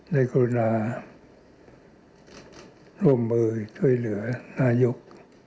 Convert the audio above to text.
กรุณาร่วมมือช่วยเหลือนายก